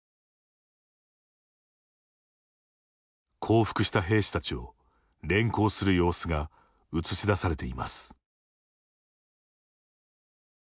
降伏した兵士たちを連行する様子が映し出されています。